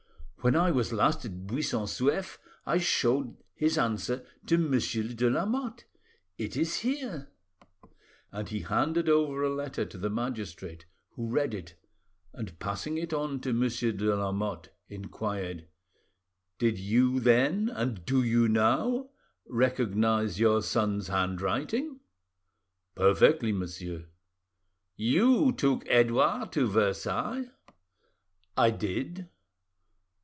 When I was last at Buisson Souef, I showed his answer to Monsieur de Lamotte; it is here." And he handed over a letter to the magistrate, who read it, and passing it on to Monsieur de Lamotte, inquired— "Did you then, and do you now, recognise your son's handwriting?" "Perfectly, monsieur." "You took Edouard to Versailles?" "I did."